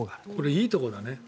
いいところだね。